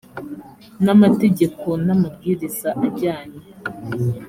n amategeko n amabwiriza ajyanye